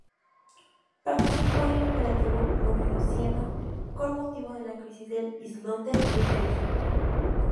Participó en el operativo Romeo-Sierra con motivo de la crisis del Islote de Perejil.